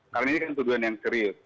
karena ini kan tuduhan yang serius